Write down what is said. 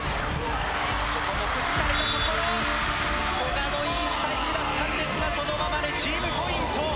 ここも崩されたところ古賀のいいスパイクだったんですがそのままレシーブポイント。